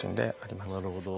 なるほど。